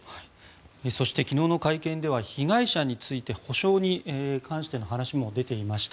そして、昨日の会見では被害者の補償に関しての話も出ていました。